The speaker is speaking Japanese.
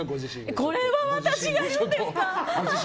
これ私が言うんですか？